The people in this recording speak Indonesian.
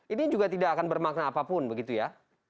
ini juga tidak akan bermakna apapun begitu ya